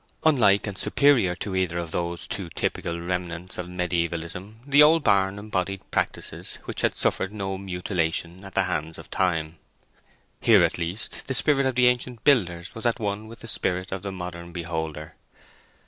Unlike and superior to either of those two typical remnants of mediævalism, the old barn embodied practices which had suffered no mutilation at the hands of time. Here at least the spirit of the ancient builders was at one with the spirit of the modern beholder.